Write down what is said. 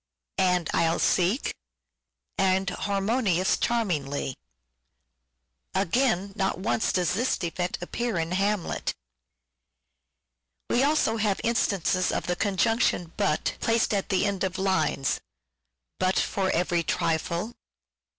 i.) "and I'll seek" (III. 3.) "and Harmonious charmingly" (IV. i.) Again, not once does this defect appear in " Hamlet." We have also instances of the conjunction " but " placed at the end of lines " but For every trifle " (II.